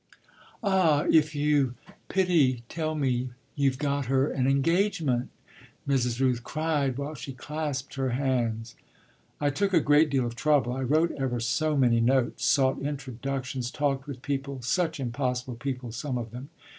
"Ah if you pity me tell me you've got her an engagement!" Mrs. Rooth cried while she clasped her hands. "I took a great deal of trouble; I wrote ever so many notes, sought introductions, talked with people such impossible people some of them.